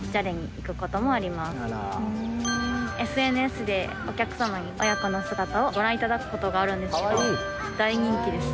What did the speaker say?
ＳＮＳでお客様に親子の姿をご覧いただくことがあるんですけど大人気です。